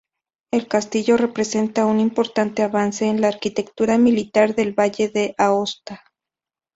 El castillo representa un importante avance en la arquitectura militar del Valle de Aosta.